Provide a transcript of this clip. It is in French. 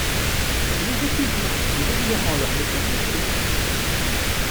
Les équipes modifient régulièrement leurs méthodes de sélection.